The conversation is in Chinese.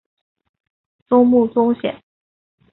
松木宗显。